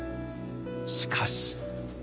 しかし。